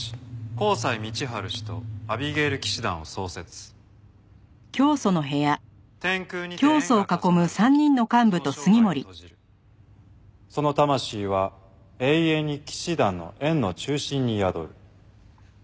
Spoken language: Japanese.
高斎道春氏とアビゲイル騎士団を創設」「天空にて円が重なる時その生涯を閉じる」「その魂は永遠に騎士団の円の中心に宿る」